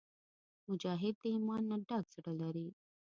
مجاهد د ایمان نه ډک زړه لري.